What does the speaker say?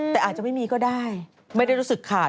แต่อาจจะไม่มีก็ได้ไม่ได้รู้สึกขาด